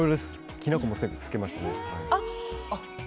きな粉もつけました。